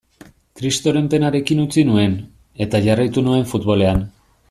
Kristoren penarekin utzi nuen, eta jarraitu nuen futbolean.